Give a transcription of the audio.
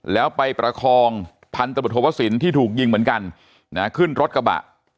แล้วไปประคองพันธบทวสินที่ถูกยิงเหมือนกันนะขึ้นรถกระบะ